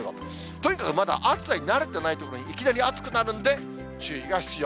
とにかくまだ暑さに慣れてないところにいきなり暑くなるんで、注意が必要。